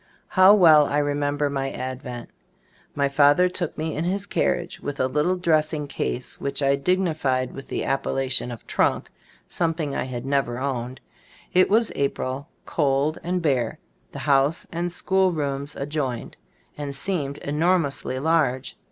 How well I remember my advent. My father took me in his carriage with a little dressing case which I dig 42 Gbe Storg of Ag Gbtldbooft nified with the appellation of "trunk" — something I had never owned. It was April — cold and bare. The house and school rooms adjoined, and seemed enormously large.